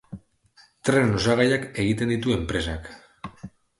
Trenen osagaiak egiten ditu enpresak.